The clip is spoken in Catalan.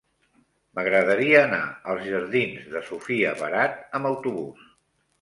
M'agradaria anar als jardins de Sofia Barat amb autobús.